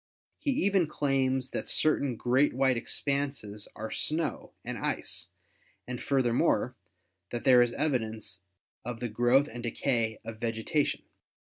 He even claims that certain great white expanses are snow and ice, and, furthermore, that there is evidence of the growth and decay of vegetation.